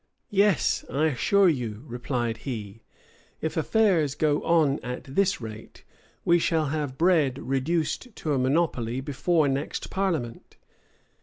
"Yes, I assure you," replied he, "if affairs go on at this rate, we shall have bread reduced to a monopoly before next parliament."